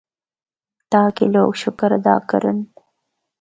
تاکہ لوگ شُکر ادا کرّن۔